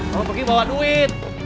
kalau begitu bawa duit